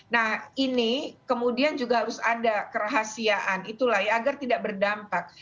nah ini kemudian juga harus ada kerahasiaan itulah ya agar tidak berdampak